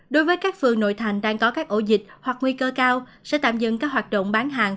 đối với các phường nội thành đang có các ổ dịch hoặc nguy cơ cao sẽ tạm dừng các hoạt động bán hàng